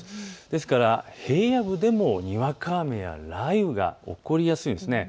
ですから平野部でもにわか雨や雷雨が起こりやすいんです。